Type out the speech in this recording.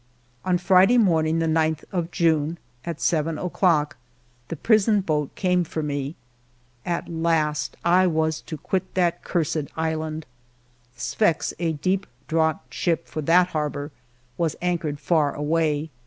On Friday morning, the 9th of June, at seven o'clock, the prison boat came for me. At last I was to quit that cursed island. The Sfax, a deep draught ship for that harbor, was anchored far away.